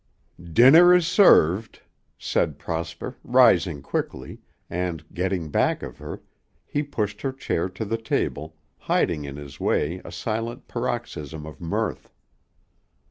"Dinner is served," said Prosper, rising quickly, and, getting back of her, he pushed her chair to the table, hiding in this way a silent paroxysm of mirth.